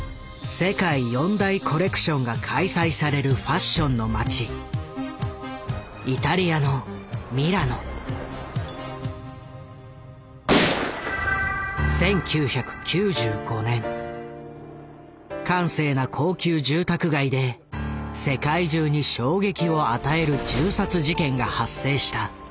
世界４大コレクションが開催されるファッションの街閑静な高級住宅街で世界中に衝撃を与える銃殺事件が発生した。